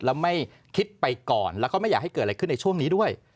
แล้วไม่คิดไปก่อนแล้วก็ไม่อยากให้เกิดอะไรขึ้นในช่วงนี้ด้วย